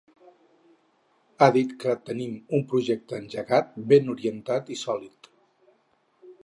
Ha dit que ‘tenim un projecte engegat, ben orientat i sòlid’.